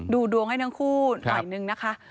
ดูดวงให้ทั้งคู่หน่อยนึงนะคะ